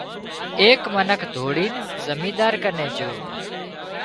ايڪ منک ڌوڙين زمينۮار ڪنين جھو